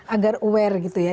agar aware gitu ya